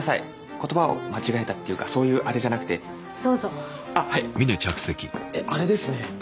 言葉を間違えたっていうかそういうあれじゃなくてどうぞあっはいあれですね